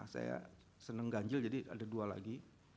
saya senang ganjil jadi ada dua lagi